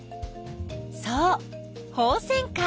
そうホウセンカ。